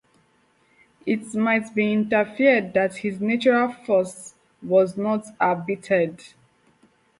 It might be inferred that his natural force was not abated.